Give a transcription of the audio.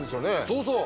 そうそう！